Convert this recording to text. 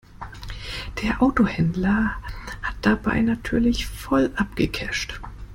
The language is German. Der Autohändler hat dabei natürlich voll abgecasht.